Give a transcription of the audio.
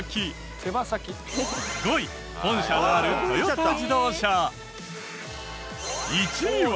５位本社のあるトヨタ自動車。